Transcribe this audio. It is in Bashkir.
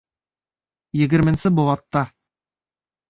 Егерменсе быуатта